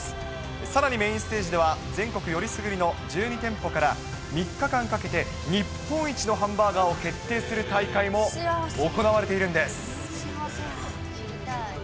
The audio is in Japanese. さらにメインステージでは、全国よりすぐりの１２店舗から、３日間かけて日本一のハンバーガーを決定する大会も行われているんです。